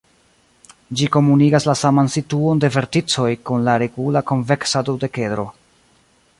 Ĝi komunigas la saman situon de verticoj kun la regula konveksa dudekedro.